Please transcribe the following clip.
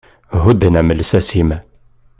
Hudden-am lsas-im.